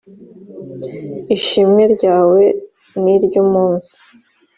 ishimwe ryawe niryumunsi .